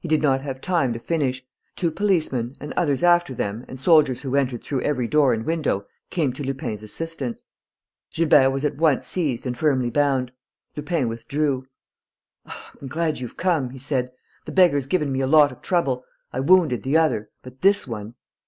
He did not have time to finish.... Two policemen and others after them and soldiers who entered through every door and window came to Lupin's assistance. Gilbert was at once seized and firmly bound. Lupin withdrew: "I'm glad you've come," he said. "The beggar's given me a lot of trouble. I wounded the other; but this one...."